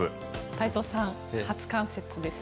太蔵さん、初冠雪です。